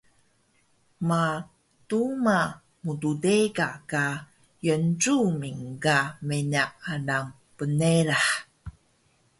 ma duma mddeka ka Yencuming ga meniq alang pngerah